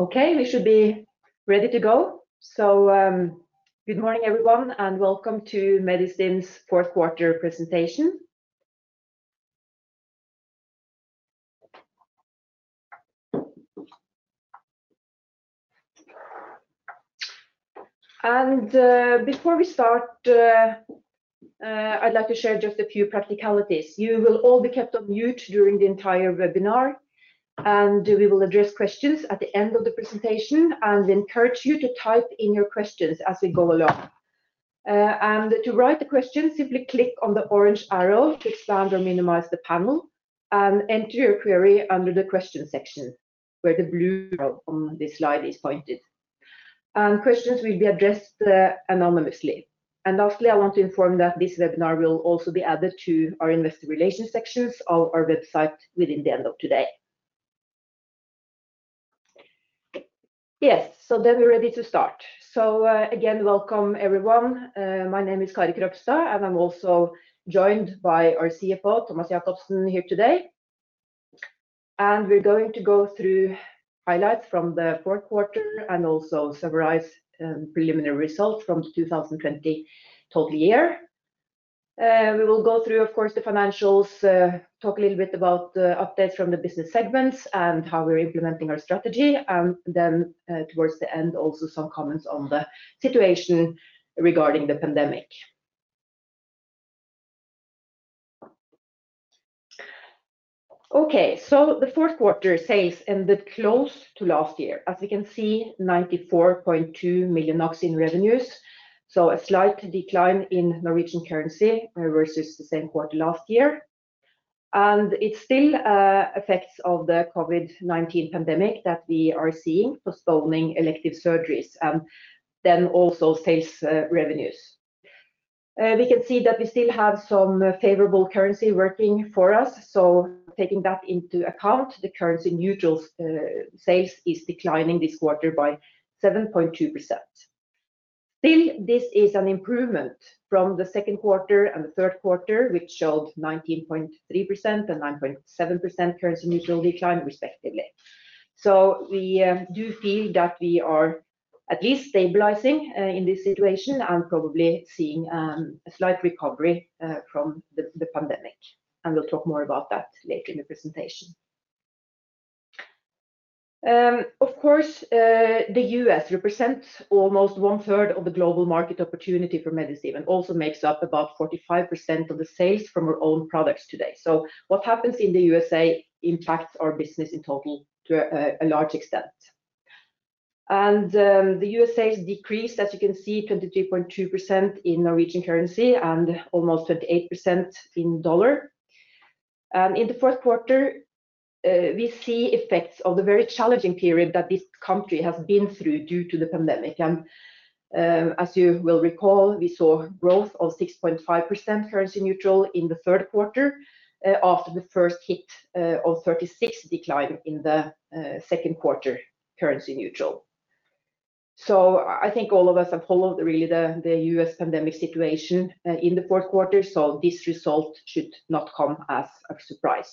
Okay, we should be ready to go. Good morning, everyone, welcome to Medistim's fourth quarter presentation. Before we start, I'd like to share just a few practicalities. You will all be kept on mute during the entire webinar, and we will address questions at the end of the presentation and encourage you to type in your questions as we go along. To write the question, simply click on the orange arrow to expand or minimize the panel and enter your query under the question section, where the blue arrow on this slide is pointed. Questions will be addressed anonymously. Lastly, I want to inform that this webinar will also be added to our investor relations sections of our website within the end of today. Yes. We're ready to start. Again, welcome everyone. My name is Kari Krogstad, and I'm also joined by our CFO, Thomas Jakobsen, here today. We're going to go through highlights from the fourth quarter and also summarize preliminary results from the 2020 total year. We will go through, of course, the financials, talk a little bit about the updates from the business segments and how we're implementing our strategy, and then towards the end, also some comments on the situation regarding the pandemic. Okay. The fourth quarter sales ended close to last year. As we can see, 94.2 million NOK in revenues, so a slight decline in Norwegian currency versus the same quarter last year. It's still effects of the COVID-19 pandemic that we are seeing postponing elective surgeries, and then also sales revenues. We can see that we still have some favorable currency working for us. Taking that into account, the currency-neutral sales is declining this quarter by 7.2%. Still, this is an improvement from the second quarter and the third quarter, which showed 19.3% and 9.7% currency-neutral decline respectively. We do feel that we are at least stabilizing in this situation and probably seeing a slight recovery from the pandemic. We'll talk more about that later in the presentation. Of course, the U.S. represents almost 1/3 of the global market opportunity for Medistim and also makes up about 45% of the sales from our own products today. What happens in the U.S.A. impacts our business in total to a large extent. The U.S.A. has decreased, as you can see, 23.2% in NOK and almost 38% in USD. In the fourth quarter, we see effects of the very challenging period that the U.S. has been through due to the pandemic. As you will recall, we saw growth of 6.5% currency neutral in the third quarter, after the first hit of 36% decline in the second quarter currency neutral. I think all of us have followed really the U.S. pandemic situation in the fourth quarter, this result should not come as a surprise.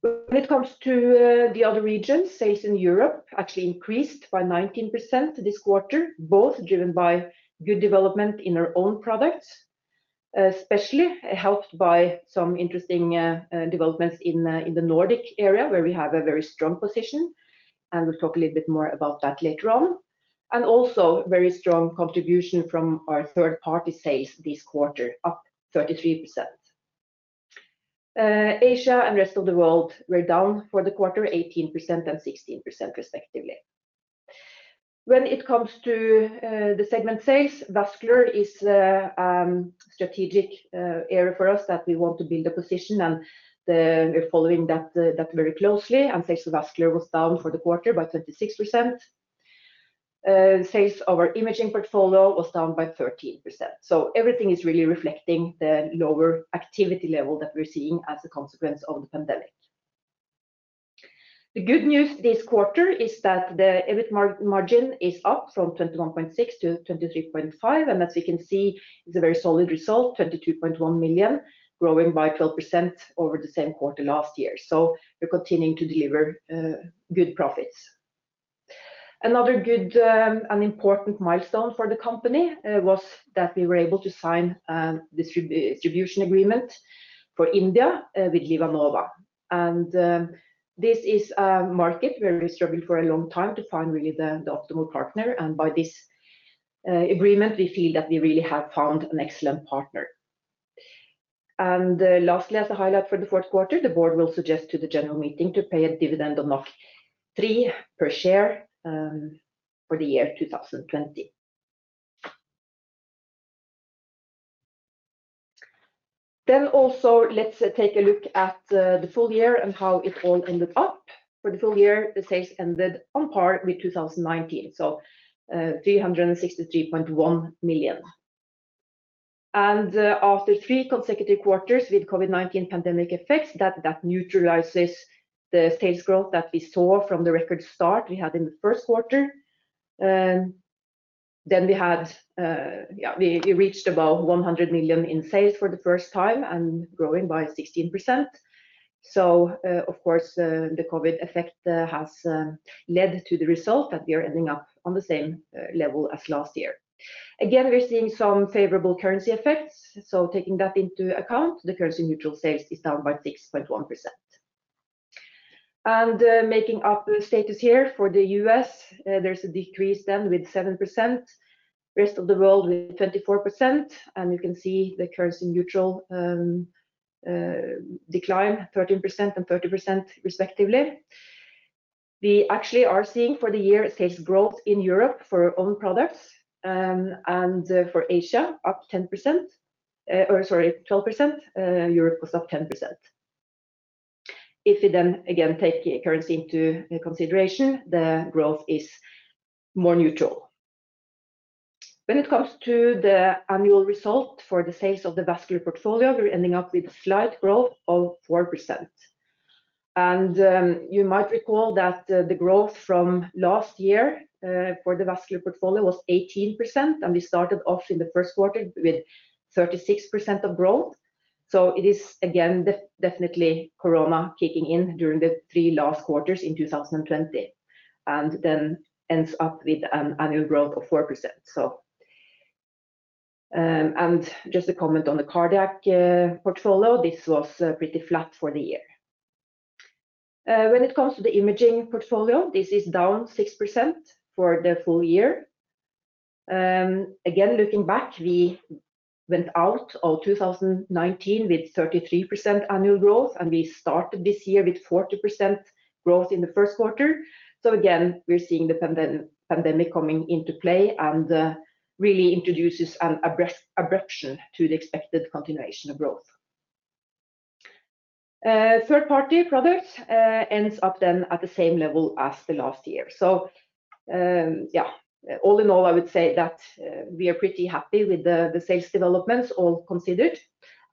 When it comes to the other regions, sales in Europe actually increased by 19% this quarter, both driven by good development in our own products, especially helped by some interesting developments in the Nordic area where we have a very strong position, and we'll talk a little bit more about that later on. Also very strong contribution from our third-party sales this quarter, up 33%. Asia and rest of the world were down for the quarter 18% and 16% respectively. When it comes to the segment sales, vascular is a strategic area for us that we want to build a position and we're following that very closely. Sales for vascular was down for the quarter by 26%. Sales of our imaging portfolio was down by 13%. Everything is really reflecting the lower activity level that we're seeing as a consequence of the pandemic. The good news this quarter is that the EBIT margin is up from 21.6% - 23.5%, and as you can see, it's a very solid result, 22.1 million, growing by 12% over the same quarter last year. We're continuing to deliver good profits. Another good and important milestone for the company was that we were able to sign a distribution agreement for India with LivaNova. This is a market where we struggled for a long time to find really the optimal partner, and by this agreement, we feel that we really have found an excellent partner. Lastly, as a highlight for the fourth quarter, the board will suggest to the general meeting to pay a dividend of 3 per share for the year 2020. Also let's take a look at the full year and how it all ended up. For the full year, the sales ended on par with 2019, so 363.1 million. After three consecutive quarters with COVID-19 pandemic effects, that neutralizes the sales growth that we saw from the record start we had in the first quarter. We reached about 100 million in sales for the first time and growing by 16%. Of course, the COVID effect has led to the result that we are ending up on the same level as last year. Again, we're seeing some favorable currency effects. Taking that into account, the currency neutral sales is down by 6.1%. Making up the status here for the U.S., there's a decrease then with 7%, rest of the world with 24%, and you can see the currency neutral decline 13% and 30% respectively. We actually are seeing for the year sales growth in Europe for own products and for Asia up 12%. Europe was up 10%. If we then again take currency into consideration, the growth is more neutral. When it comes to the annual result for the sales of the vascular portfolio, we're ending up with slight growth of 4%. You might recall that the growth from last year for the vascular portfolio was 18%, and we started off in the first quarter with 36% of growth. It is again, definitely COVID-19 kicking in during the three last quarters in 2020 and then ends up with an annual growth of 4%. Just a comment on the cardiac portfolio, this was pretty flat for the year. When it comes to the imaging portfolio, this is down 6% for the full year. Again, looking back, we went out of 2019 with 33% annual growth, and we started this year with 40% growth in the first quarter. Again, we're seeing the pandemic coming into play and really introduces an abruption to the expected continuation of growth. Third party products ends up then at the same level as the last year. All in all, I would say that we are pretty happy with the sales developments all considered,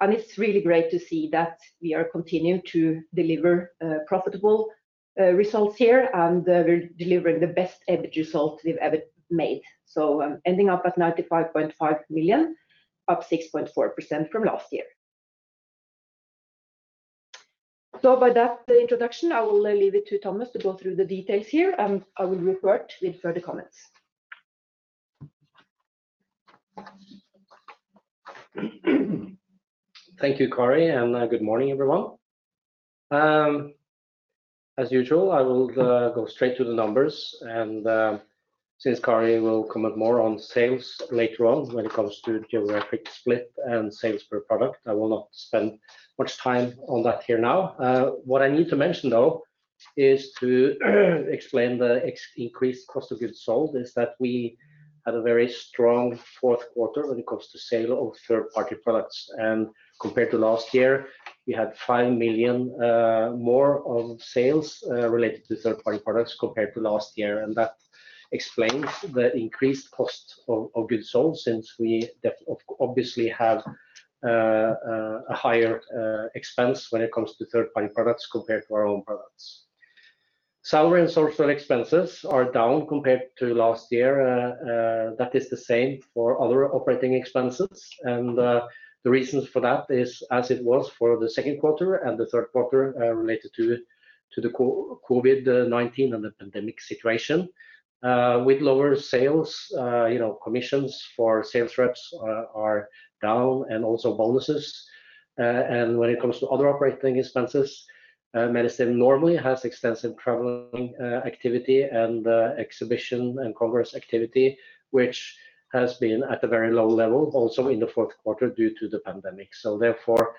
and it's really great to see that we are continuing to deliver profitable results here and we're delivering the best EBIT result we've ever made. Ending up at 95.5 million, up 6.4% from last year. By that introduction, I will leave it to Thomas to go through the details here, and I will revert with further comments. Thank you, Kari. Good morning everyone. As usual, I will go straight to the numbers. Since Kari will come up more on sales later on when it comes to geographic split and sales per product, I will not spend much time on that here now. What I need to mention though is to explain the increased cost of goods sold is that we had a very strong fourth quarter when it comes to sale of third-party products. Compared to last year, we had 5 million more of sales related to third-party products compared to last year. That explains the increased cost of goods sold since we obviously have a higher expense when it comes to third-party products compared to our own products. Salary and social expenses are down compared to last year. That is the same for other operating expenses. The reasons for that is as it was for the second quarter and the third quarter related to the COVID-19 and the pandemic situation. With lower sales, commissions for sales reps are down and also bonuses. When it comes to other operating expenses, Medistim normally has extensive traveling activity and exhibition and congress activity, which has been at a very low level also in the fourth quarter due to the pandemic. Therefore,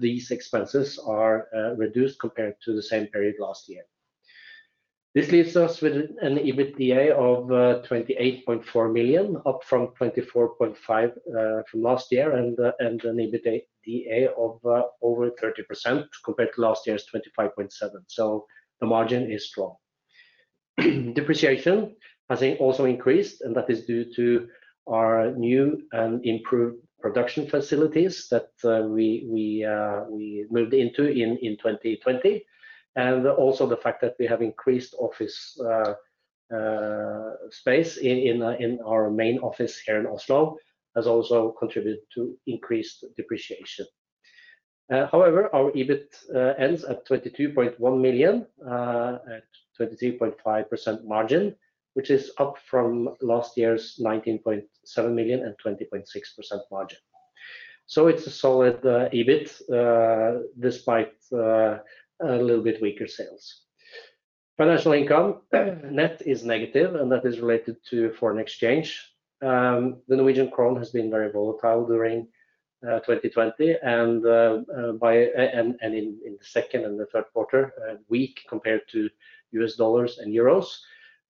these expenses are reduced compared to the same period last year. This leaves us with an EBITDA of 28.4 million up from 24.5 million from last year and an EBITDA of over 30% compared to last year's 25.7%. The margin is strong. Depreciation has also increased, and that is due to our new and improved production facilities that we moved into in 2020. The fact that we have increased office space in our main office here in Oslo has also contributed to increased depreciation. Our EBIT ends at 22.1 million at 23.5% margin, which is up from last year's 19.7 million and 20.6% margin. It's a solid EBIT despite a little bit weaker sales. Financial income net is negative, and that is related to foreign exchange. The Norwegian krone has been very volatile during 2020 and in the second and third quarter, weak compared to USD and EUR.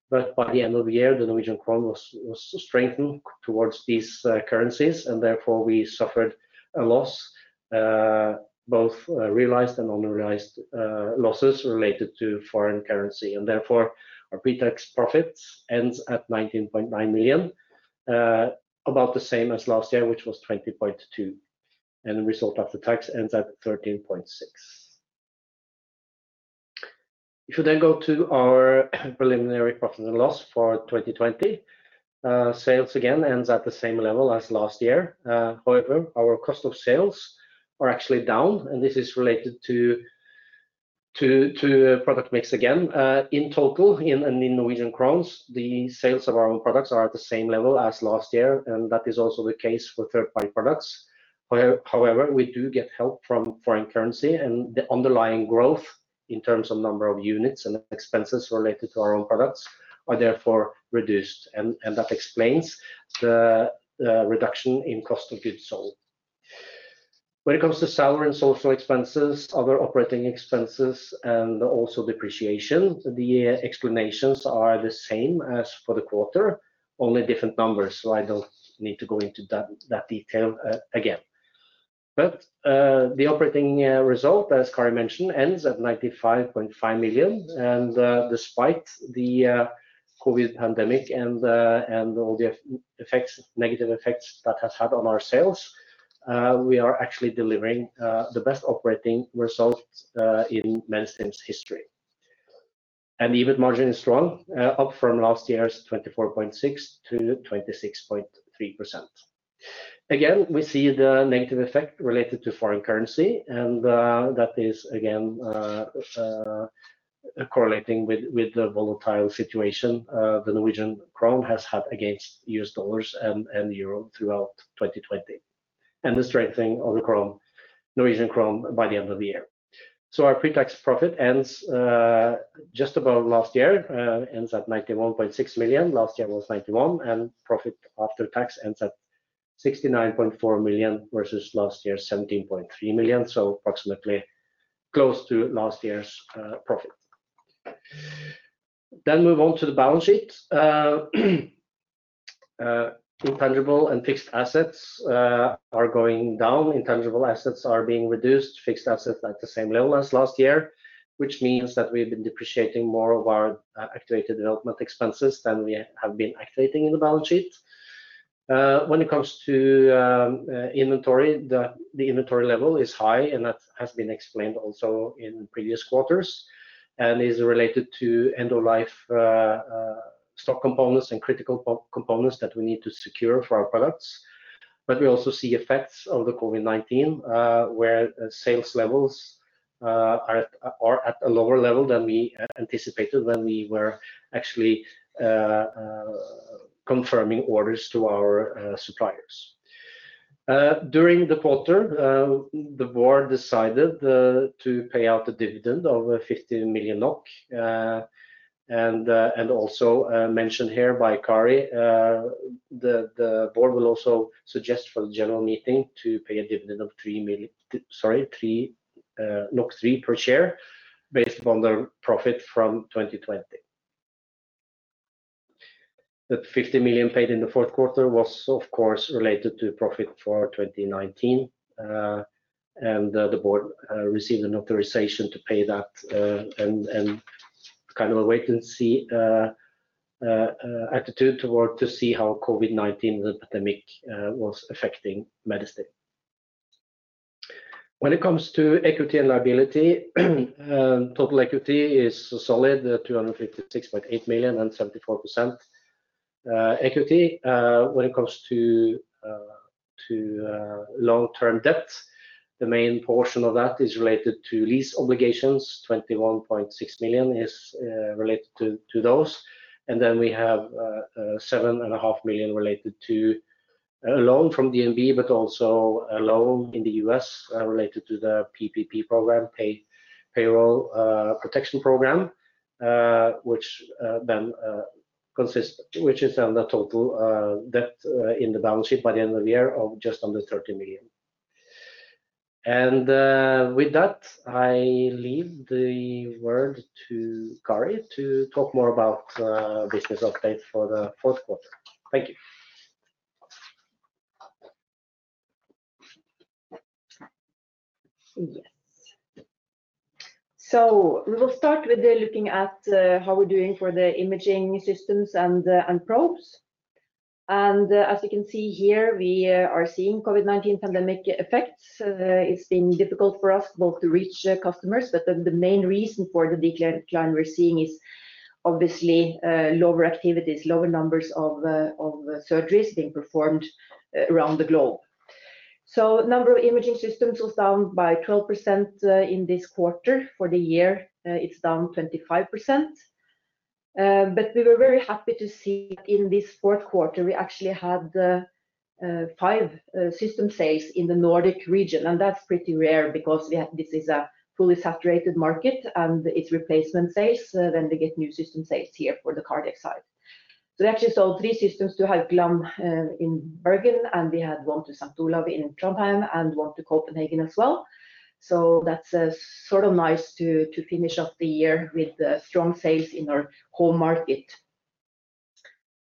By the end of the year, the Norwegian krone was strengthened towards these currencies, and therefore we suffered a loss, both realized and unrealized losses related to foreign currency. Our pretax profits ends at 19.9 million, about the same as last year, which was 20.2 million. The result after tax ends at 13.6 million. If you go to our preliminary profit and loss for 2020, sales again ends at the same level as last year. However, our cost of sales are actually down, and this is related to product mix again. In total and in Norwegian krone, the sales of our own products are at the same level as last year, and that is also the case for third-party products. However, we do get help from foreign currency and the underlying growth in terms of number of units and expenses related to our own products are therefore reduced. That explains the reduction in cost of goods sold. When it comes to salary and social expenses, other operating expenses, and also depreciation, the explanations are the same as for the quarter, only different numbers. I don't need to go into that detail again. The operating result, as Kari mentioned, ends at 95.5 million. Despite the COVID pandemic and all the negative effects that has had on our sales, we are actually delivering the best operating results in Medistim's history. EBIT margin is strong, up from last year's 24.6% - 26.3%. We see the negative effect related to foreign currency, and that is again correlating with the volatile situation the Norwegian krone has had against US dollars and the euro throughout 2020, and the strengthening of the Norwegian krone by the end of the year. Our pre-tax profit ends just above last year, ends at 91.6 million. Last year was 91 million. Profit after tax ends at 69.4 million versus last year, 17.3 million, so approximately close to last year's profit. Move on to the balance sheet. Intangible and fixed assets are going down. Intangible assets are being reduced. Fixed assets at the same level as last year, which means that we've been depreciating more of our activated development expenses than we have been activating in the balance sheet. When it comes to inventory, the inventory level is high, and that has been explained also in previous quarters and is related to end-of-life stock components and critical components that we need to secure for our products. We also see effects of the COVID-19, where sales levels are at a lower level than we anticipated when we were actually confirming orders to our suppliers. During the quarter, the board decided to pay out a dividend of 15 million NOK. Also mentioned here by Kari, the board will also suggest for the general meeting to pay a dividend of 3 per share based upon the profit from 2020. The 15 million paid in the fourth quarter was of course related to profit for 2019. The board received an authorization to pay that and kind of a wait and see attitude toward to see how COVID-19, the pandemic, was affecting Medistim. When it comes to equity and liability, total equity is solid, 256.8 million and 74% equity. When it comes to long-term debt, the main portion of that is related to lease obligations. 21.6 million is related to those. Then we have 7.5 million related to a loan from DNB, but also a loan in the U.S. related to the PPP program, Paycheck Protection Program, which is on the total debt in the balance sheet by the end of the year of just under 30 million. With that, I leave the word to Kari to talk more about business update for the fourth quarter. Thank you. Yes. We will start with looking at how we are doing for the imaging systems and probes. As you can see here, we are seeing COVID-19 pandemic effects. It's been difficult for us both to reach customers, but the main reason for the decline we're seeing is obviously lower activities, lower numbers of surgeries being performed around the globe. Number of imaging systems was down by 12% in this quarter. For the year, it's down 25%. We were very happy to see in this fourth quarter, we actually had five system sales in the Nordic region, and that's pretty rare because this is a fully saturated market, and it's replacement sales, then they get new system sales here for the Cardiac side. We actually sold three systems to Haukeland in Bergen, and we had one to St. Olav in Trondheim and one to Copenhagen as well. That's sort of nice to finish off the year with strong sales in our home market.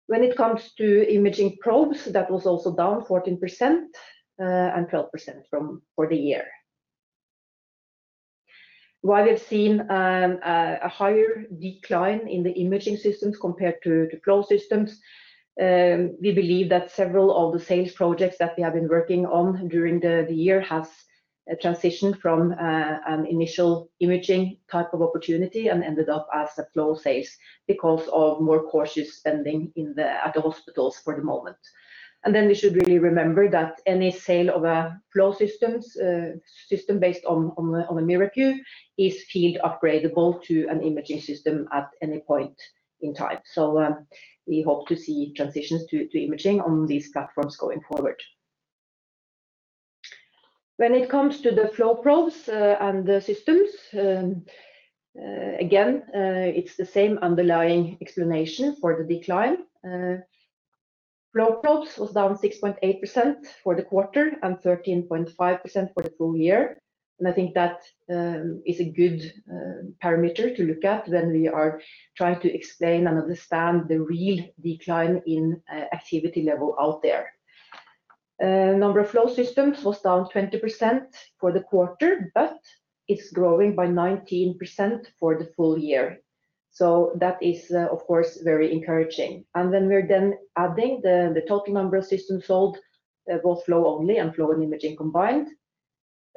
When it comes to imaging probes, that was also down 14% and 12% for the year. While we have seen a higher decline in the imaging systems compared to flow systems, we believe that several of the sales projects that we have been working on during the year have transitioned from an initial imaging type of opportunity and ended up as a flow sales because of more cautious spending at the hospitals for the moment. We should really remember that any sale of a flow system based on the MiraQ is field upgradeable to an imaging system at any point in time. We hope to see transitions to imaging on these platforms going forward. When it comes to the flow probes and the systems, again, it's the same underlying explanation for the decline. Flow probes was down 6.8% for the quarter and 13.5% for the full year. I think that is a good parameter to look at when we are trying to explain and understand the real decline in activity level out there. Number of flow systems was down 20% for the quarter, but it's growing by 19% for the full year. That is, of course, very encouraging. When we are then adding the total number of systems sold, both flow only and flow and imaging combined,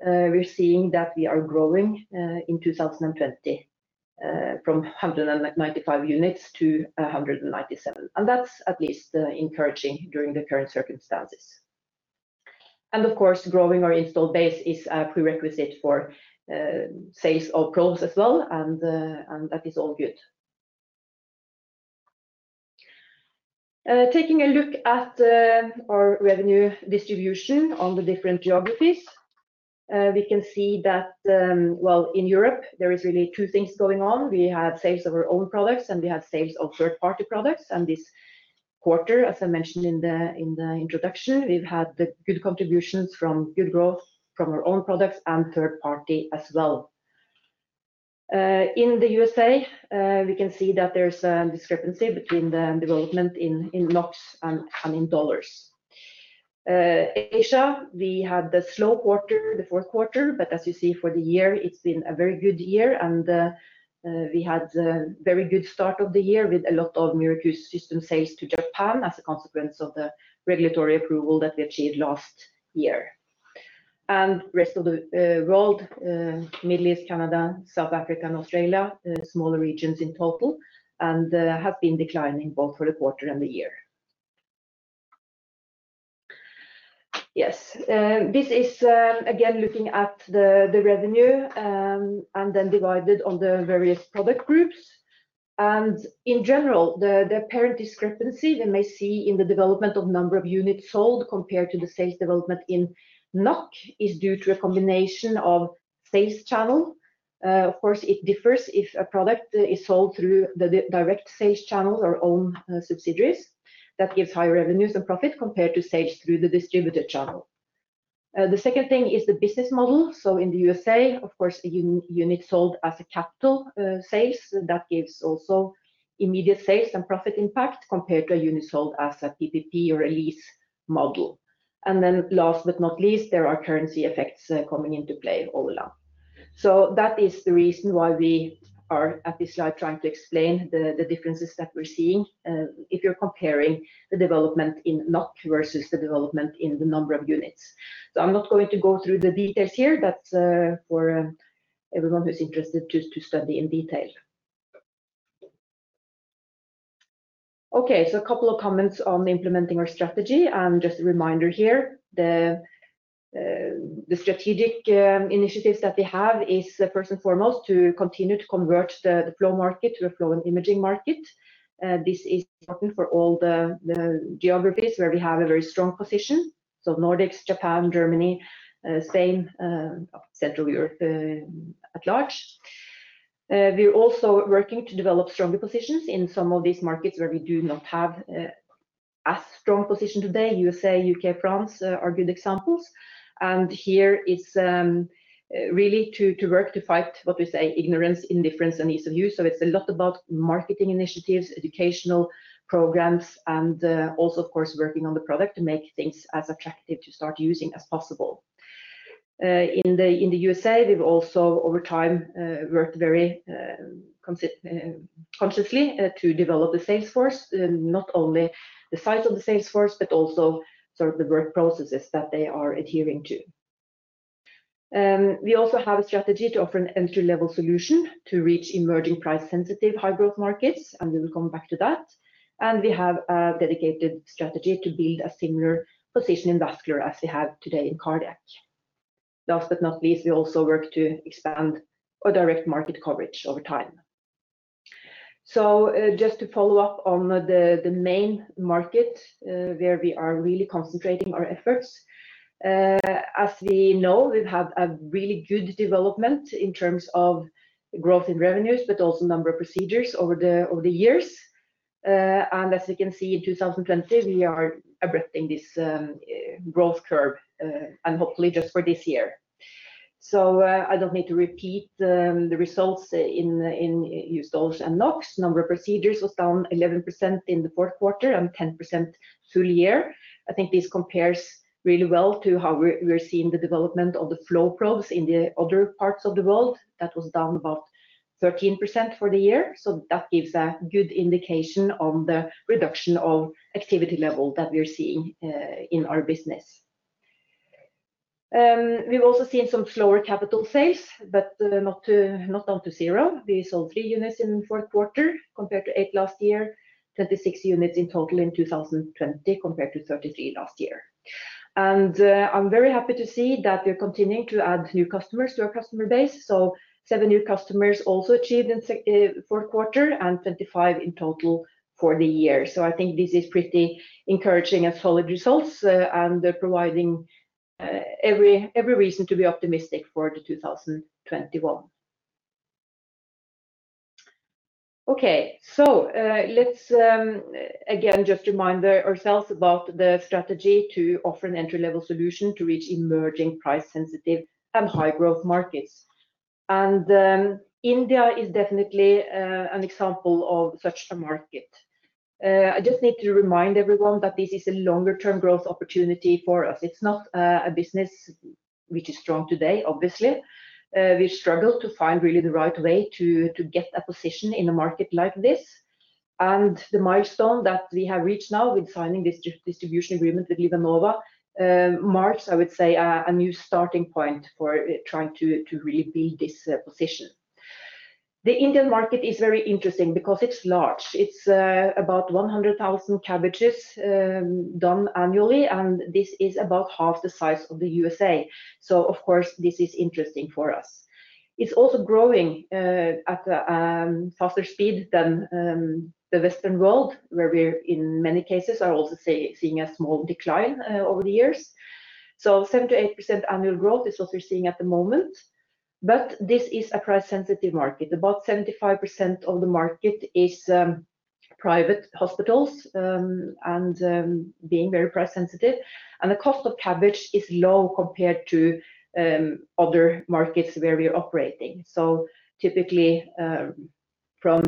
we're seeing that we are growing in 2020 from 195 units to 197. That's at least encouraging during the current circumstances. Of course, growing our install base is a prerequisite for sales of probes as well, and that is all good. Taking a look at our revenue distribution on the different geographies, we can see that, well, in Europe, there is really two things going on. We have sales of our own products, and we have sales of third-party products. This quarter, as I mentioned in the introduction, we've had the good contributions from good growth from our own products and third party as well. In the U.S.A., we can see that there's a discrepancy between the development in NOK and in U.S. dollars. Asia, we had the slow quarter, the fourth quarter, but as you see for the year, it's been a very good year, and we had a very good start of the year with a lot of MiraQ system sales to Japan as a consequence of the regulatory approval that we achieved last year. Rest of the world, Middle East, Canada, South Africa, and Australia, smaller regions in total, have been declining both for the quarter and the year. Yes. This is, again, looking at the revenue, then divided on the various product groups. In general, the apparent discrepancy we may see in the development of number of units sold compared to the sales development in NOK is due to a combination of sales channel. Of course, it differs if a product is sold through the direct sales channel or own subsidiaries. That gives higher revenues and profit compared to sales through the distributor channel. The second thing is the business model. In the U.S.A., of course, the unit sold as a capital sales, that gives also immediate sales and profit impact compared to a unit sold as a PPP or a lease model. Then last but not least, there are currency effects coming into play all along. That is the reason why we are at this slide trying to explain the differences that we're seeing if you're comparing the development in NOK versus the development in the number of units. I'm not going to go through the details here. That's for everyone who's interested to study in detail. A couple of comments on implementing our strategy, and just a reminder here. The strategic initiatives that we have is first and foremost to continue to convert the flow market to a flow in imaging market. This is important for all the geographies where we have a very strong position. Nordics, Japan, Germany, Spain, Central Europe at large. We are also working to develop stronger positions in some of these markets where we do not have as strong position today. U.S., U.K., France are good examples. Here it's really to work to fight, what we say, ignorance, indifference, and ease of use. It's a lot about marketing initiatives, educational programs, and also of course, working on the product to make things as attractive to start using as possible. In the U.S., we've also over time, worked very consciously to develop the sales force. Not only the size of the sales force, but also sort of the work processes that they are adhering to. We also have a strategy to offer an entry-level solution to reach emerging price-sensitive high-growth markets, and we will come back to that. We have a dedicated strategy to build a similar position in vascular as we have today in cardiac. Last but not least, we also work to expand our direct market coverage over time. Just to follow up on the main market, where we are really concentrating our efforts. As we know, we've had a really good development in terms of growth in revenues, but also number of procedures over the years. As you can see, in 2020, we are abreast in this growth curve, and hopefully just for this year. I don't need to repeat the results in US dollars and NOK. Number of procedures was down 11% in the fourth quarter and 10% full year. I think this compares really well to how we're seeing the development of the flow probes in the other parts of the world. That was down about 13% for the year. That gives a good indication on the reduction of activity level that we are seeing in our business. We've also seen some slower capital sales, but not down to zero. We sold three units in the fourth quarter compared to eight last year, 26 units in total in 2020, compared to 33 last year. I'm very happy to see that we're continuing to add new customers to our customer base. Seven new customers also achieved in Q4 and 25 in total for the year. I think this is pretty encouraging and solid results, and providing every reason to be optimistic for 2021. Okay. Let's again, just remind ourselves about the strategy to offer an entry-level solution to reach emerging price sensitive and high growth markets. India is definitely an example of such a market. I just need to remind everyone that this is a longer-term growth opportunity for us. It's not a business which is strong today, obviously. We struggle to find really the right way to get a position in a market like this. The milestone that we have reached now with signing this distribution agreement with LivaNova, marks, I would say, a new starting point for trying to really build this position. The Indian market is very interesting because it's large. It's about 100,000 CABGs done annually, and this is about half the size of the U.S. Of course, this is interesting for us. It's also growing at a faster speed than the Western world, where we, in many cases, are also seeing a small decline over the years. 78% annual growth is what we're seeing at the moment. This is a price-sensitive market. About 75% of the market is private hospitals, being very price sensitive. The cost of CABG is low compared to other markets where we're operating. Typically, from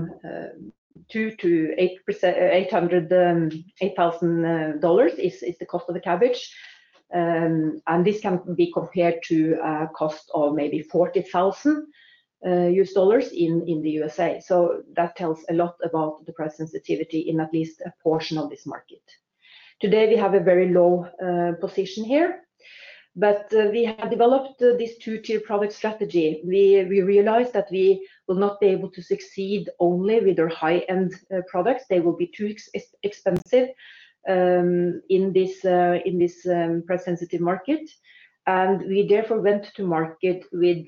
2,000-8,000 is the cost of the CABG. This can be compared to a cost of maybe $40,000 in the U.S.A. That tells a lot about the price sensitivity in at least a portion of this market. Today, we have a very low position here, but we have developed this two-tier product strategy. We realized that we will not be able to succeed only with our high-end products. They will be too expensive in this price-sensitive market. We therefore went to market with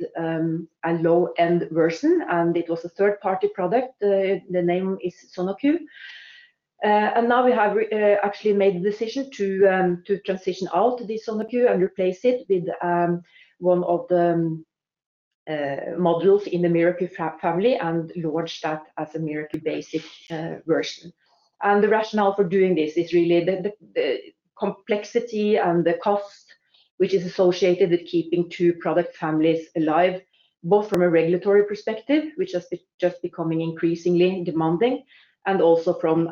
a low-end version, and it was a third-party product. The name is SonoQ. Now we have actually made the decision to transition out the SonoQ and replace it with one of the modules in the MiraQ family and launch that as a MiraQ basic version. The rationale for doing this is really the complexity and the cost which is associated with keeping two product families alive, both from a regulatory perspective, which is just becoming increasingly demanding, and also from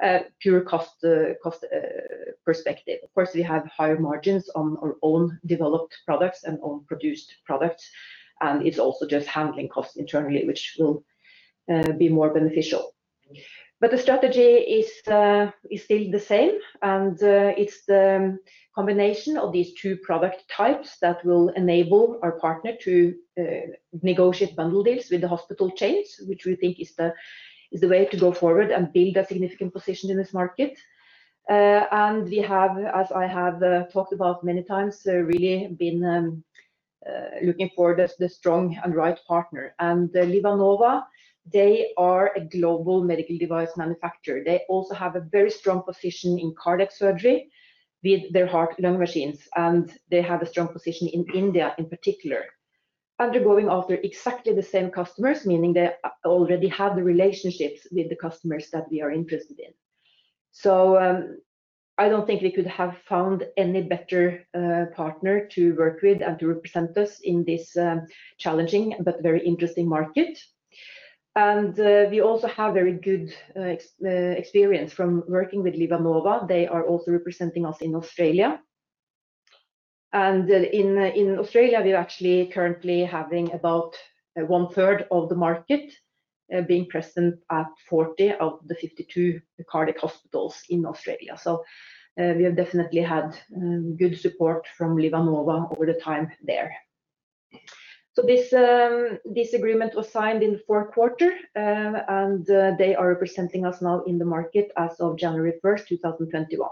a pure cost perspective. Of course, we have higher margins on our own developed products and own-produced products, and it's also just handling costs internally, which will be more beneficial. The strategy is still the same, and it's the combination of these two product types that will enable our partner to negotiate bundle deals with the hospital chains, which we think is the way to go forward and build a significant position in this market. We have, as I have talked about many times, really been looking for the strong and right partner. LivaNova, they are a global medical device manufacturer. They also have a very strong position in Cardiac Surgery with their heart-lung machines, and they have a strong position in India in particular. They're going after exactly the same customers, meaning they already have the relationships with the customers that we are interested in. I don't think we could have found any better partner to work with and to represent us in this challenging but very interesting market. We also have very good experience from working with LivaNova. They are also representing us in Australia. In Australia, we're actually currently having about 1/3 of the market being present at 40 of the 52 cardiac hospitals in Australia. We have definitely had good support from LivaNova over the time there. This agreement was signed in the fourth quarter, and they are representing us now in the market as of January 1st, 2021.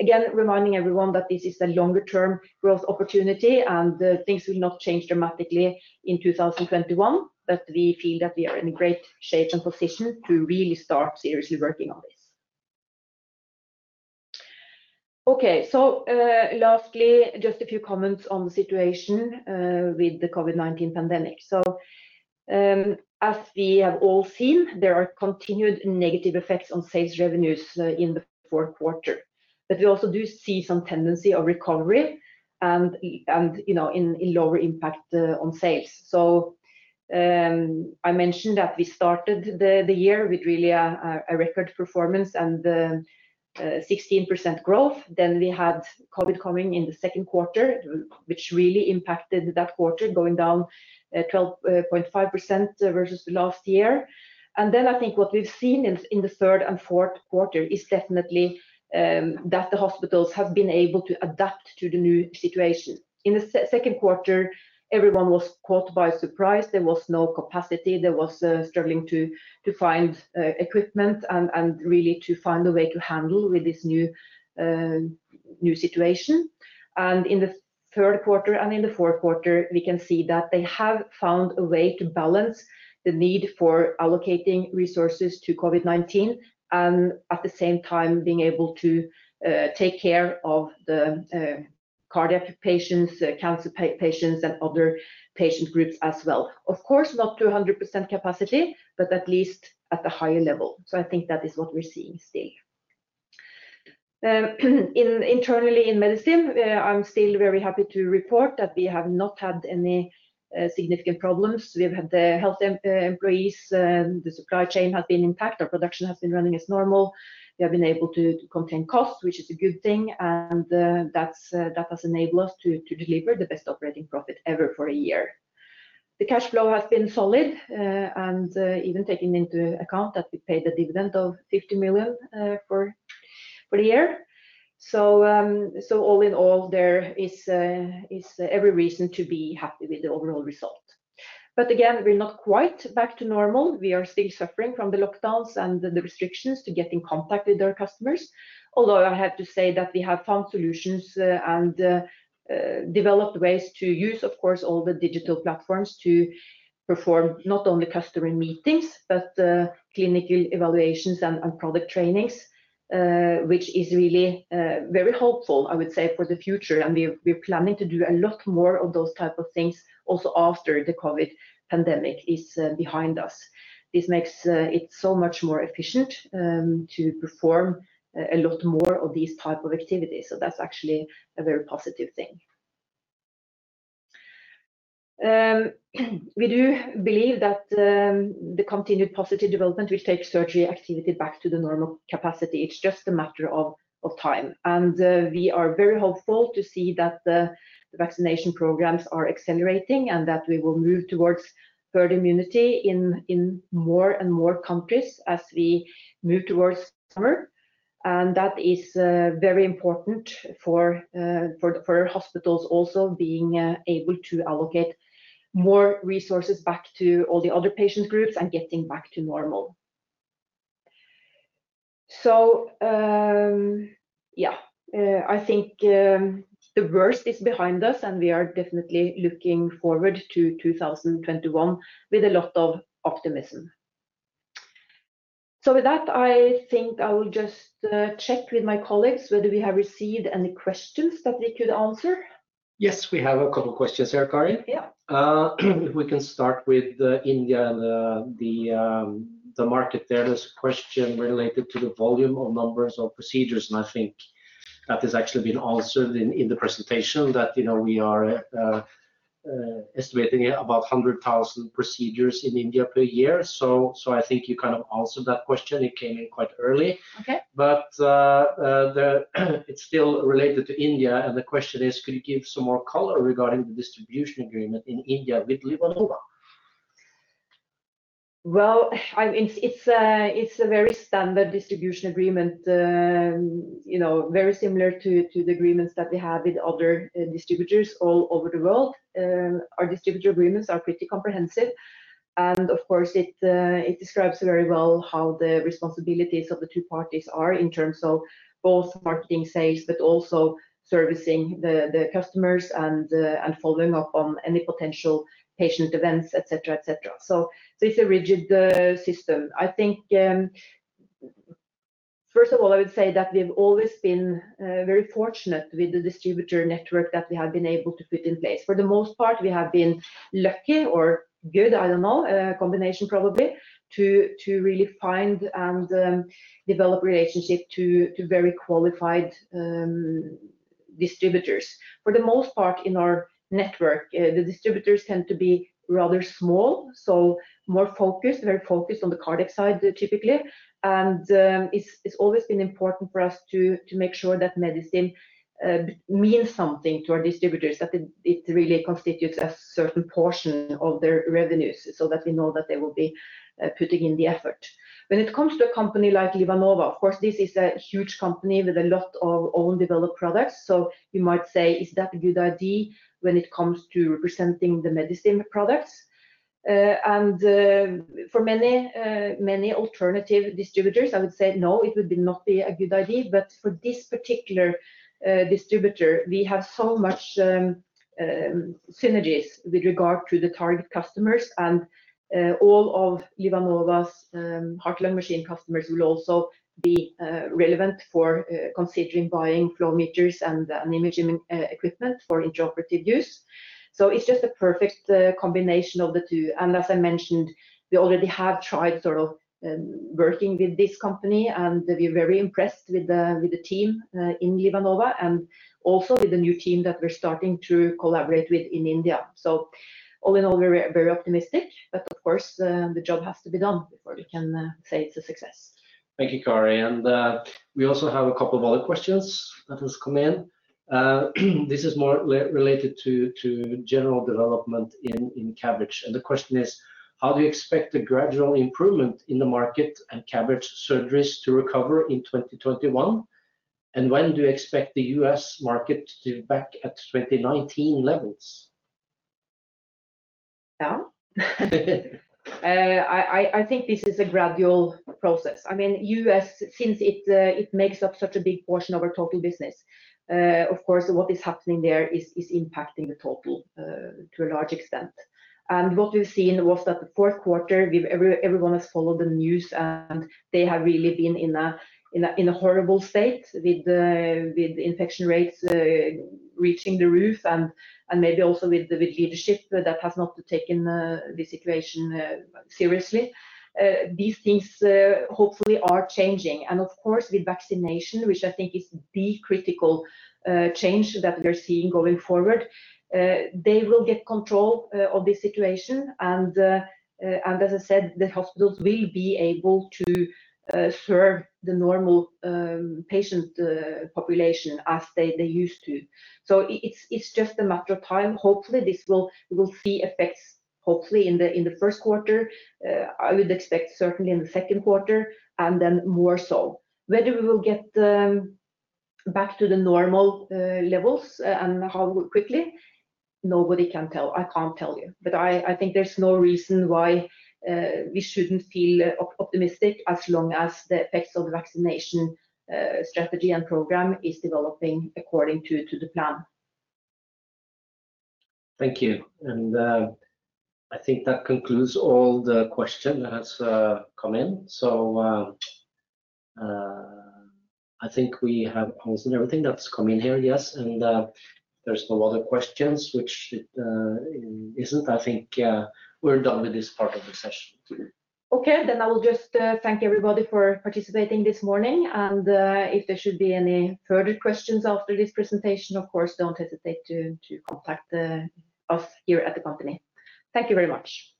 Again, reminding everyone that this is a longer-term growth opportunity, and things will not change dramatically in 2021. We feel that we are in great shape and position to really start seriously working on this. Okay. Lastly, just a few comments on the situation with the COVID-19 pandemic. As we have all seen, there are continued negative effects on sales revenues in the fourth quarter. We also do see some tendency of recovery and in lower impact on sales. I mentioned that we started the year with really a record performance and 16% growth. We had COVID-19 coming in the second quarter, which really impacted that quarter, going down 12.5% versus last year. I think what we've seen in the third and fourth quarter is definitely that the hospitals have been able to adapt to the new situation. In the second quarter, everyone was caught by surprise. There was no capacity. There was struggling to find equipment and really to find a way to handle with this new situation. In the third quarter and in the fourth quarter, we can see that they have found a way to balance the need for allocating resources to COVID-19, and at the same time being able to take care of the cardiac patients, cancer patients, and other patient groups as well. Of course, not to 100% capacity, but at least at a higher level. I think that is what we're seeing still. Internally in Medistim, I am still very happy to report that we have not had any significant problems. We have had the healthy employees, the supply chain has been intact. Our production has been running as normal. We have been able to contain costs, which is a good thing. That has enabled us to deliver the best operating profit ever for a year. The cash flow has been solid, even taking into account that we paid a dividend of 15 million for the year. All in all, there is every reason to be happy with the overall result. Again, we are not quite back to normal. We are still suffering from the lockdowns and the restrictions to getting contact with our customers. I have to say that we have found solutions and developed ways to use, of course, all the digital platforms to perform not only customer meetings, but clinical evaluations and product trainings, which is really very hopeful, I would say, for the future. We're planning to do a lot more of those type of things also after the COVID-19 pandemic is behind us. This makes it so much more efficient to perform a lot more of these type of activities. That's actually a very positive thing. We do believe that the continued positive development will take surgery activity back to the normal capacity. It's just a matter of time. We are very hopeful to see that the vaccination programs are accelerating and that we will move towards herd immunity in more and more countries as we move towards summer. That is very important for hospitals also being able to allocate more resources back to all the other patient groups and getting back to normal. Yeah. I think the worst is behind us, and we are definitely looking forward to 2021 with a lot of optimism. With that, I think I will just check with my colleagues whether we have received any questions that we could answer. Yes, we have a couple questions here, Kari. Yeah. We can start with India and the market there. There is a question related to the volume or numbers of procedures, and I think that has actually been answered in the presentation that we are estimating about 100,000 procedures in India per year. I think you kind of answered that question. It came in quite early. Okay. It's still related to India, and the question is, could you give some more color regarding the distribution agreement in India with LivaNova? Well, it's a very standard distribution agreement, very similar to the agreements that we have with other distributors all over the world. Our distributor agreements are pretty comprehensive. Of course, it describes very well how the responsibilities of the two parties are in terms of both marketing sales, but also servicing the customers and following up on any potential patient events, et cetera. It's a rigid system. First of all, I would say that we've always been very fortunate with the distributor network that we have been able to put in place. For the most part, we have been lucky or good, I don't know, a combination probably, to really find and develop relationship to very qualified distributors. For the most part in our network, the distributors tend to be rather small, more focused, very focused on the cardiac side, typically. It's always been important for us to make sure that Medistim means something to our distributors, that it really constitutes a certain portion of their revenues so that we know that they will be putting in the effort. When it comes to a company like LivaNova, of course, this is a huge company with a lot of own developed products. You might say, is that a good idea when it comes to representing the Medistim products? For many alternative distributors, I would say no, it would not be a good idea. For this particular distributor, we have so much synergies with regard to the target customers and all of LivaNova's heart-lung machine customers will also be relevant for considering buying flow meters and imaging equipment for intraoperative use. It's just a perfect combination of the two. As I mentioned, we already have tried sort of working with this company, and we're very impressed with the team in LivaNova and also with the new team that we're starting to collaborate with in India. All in all, we're very optimistic, but of course, the job has to be done before we can say it's a success. Thank you, Kari. We also have a couple of other questions that has come in. This is more related to general development in CABG. The question is, how do you expect the gradual improvement in the market and CABG surgeries to recover in 2021? When do you expect the U.S. market to be back at 2019 levels? Yeah. I think this is a gradual process. U.S., since it makes up such a big portion of our total business, of course, what is happening there is impacting the total to a large extent. What we've seen was that the fourth quarter, everyone has followed the news, and they have really been in a horrible state with infection rates reaching the roof and maybe also with leadership that has not taken the situation seriously. These things hopefully are changing. Of course, with vaccination, which I think is the critical change that we're seeing going forward, they will get control of the situation. As I said, the hospitals will be able to serve the normal patient population as they used to. It's just a matter of time. Hopefully, we will see effects, hopefully in the first quarter. I would expect certainly in the second quarter, and then more so. Whether we will get back to the normal levels and how quickly, nobody can tell. I can't tell you. I think there's no reason why we shouldn't feel optimistic as long as the effects of the vaccination strategy and program is developing according to the plan. Thank you. I think that concludes all the questions that have come in. I think we have answered everything that's come in here. Yes, there's no other questions. I think we're done with this part of the session. I will just thank everybody for participating this morning. If there should be any further questions after this presentation, of course, don't hesitate to contact us here at the company. Thank you very much.